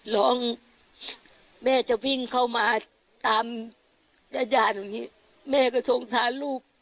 ร้องแม่จะวิ่งเข้ามาตามยายาแบบนี้แม่ก็ทรงทานลูก